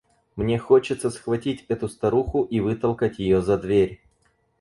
Мне хочется схватить эту старуху и вытолкать ее за дверь.